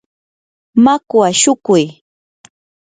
makwa shukuy.